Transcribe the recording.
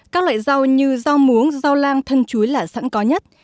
các loại rau như rau muống rau lang thân chuối là sẵn có nhất